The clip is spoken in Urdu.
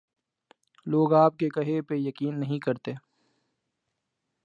لو گ آپ کے کہے پہ یقین نہیں کرتے۔